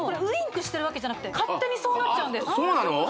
ウインクしてるわけじゃなくて勝手にそうなっちゃうんですそうなの？